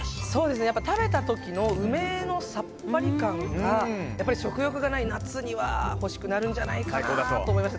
食べた時の梅のさっぱり感が食欲がない夏には欲しくなるんじゃないかなと思いました。